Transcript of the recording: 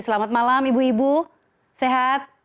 selamat malam ibu ibu sehat